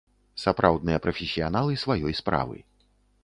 Сапраўдныя прафесіяналы сваёй справы.